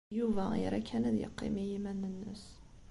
Yuba ira kan ad yeqqim i yiman-nnes.